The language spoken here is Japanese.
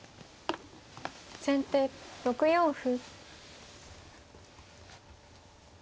先手６四歩。